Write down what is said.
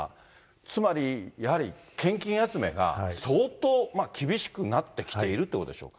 つまり、やはり献金集めが、相当厳しくなってきているということでしょうか。